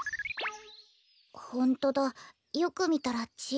ホントだよくみたらちがう。